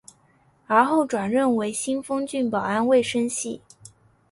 而后转任为新丰郡保安卫生系。